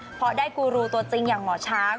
เพราะได้กูรูตัวจริงอย่างหมอช้าง